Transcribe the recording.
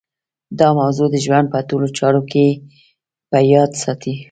دا موضوع د ژوند په ټولو چارو کې په یاد ساتئ